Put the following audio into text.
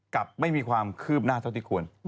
กับไม่มีความคืบหน้าเท่าที่ควร